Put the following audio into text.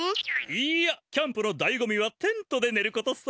いいやキャンプのだいごみはテントでねることさ！